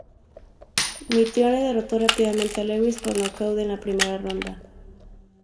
Mitrione derrotó rápidamente a Lewis por nocaut en la primera ronda.